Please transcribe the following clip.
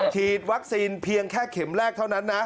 ฉีดวัคซีนเพียงแค่เข็มแรกเท่านั้นนะ